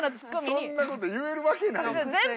そんなこと言えるわけないやん。